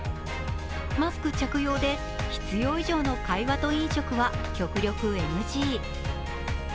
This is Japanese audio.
マスク着用で必要以上の会話と飲食は極力ＮＧ。